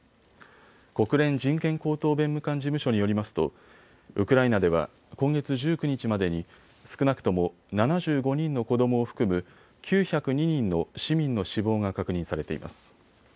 国連人権高等弁務官事務所によりますとウクライナでは今月１９日までに少なくとも７５人の子どもを含む９０２人の市民の死亡が確認されています。